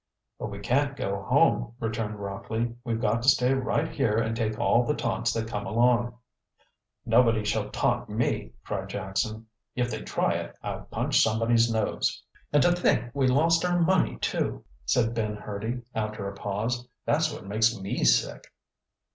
"But we can't go home," returned Rockley. "We've got to stay right here and take all the taunts that come along." "Nobody shall taunt me," cried Jackson. "If they try it I'll punch somebody's nose." "And to think we lost our money, too," said Ben Hurdy, after a pause. "That's what makes me sick."